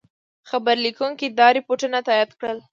خبرلیکونکي دا رپوټونه تایید کړل.